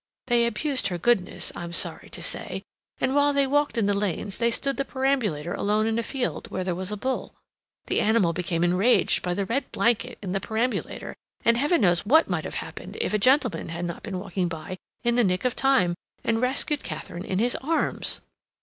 They abused her goodness, I'm sorry to say, and while they walked in the lanes, they stood the perambulator alone in a field where there was a bull. The animal became enraged by the red blanket in the perambulator, and Heaven knows what might have happened if a gentleman had not been walking by in the nick of time, and rescued Katharine in his arms!"